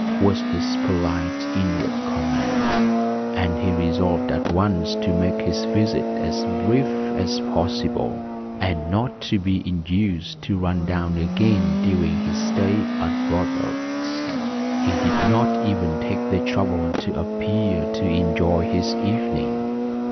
was his polite inward comment. And he resolved at once to make his visit as brief as possible, and not to be induced to run down again during his stay at Broadoaks. He did not even take the trouble to appear to enjoy his evening.